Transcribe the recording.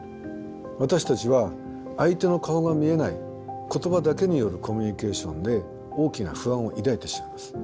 私たちは相手の顔が見えない言葉だけによるコミュニケーションで大きな不安を抱いてしまいます。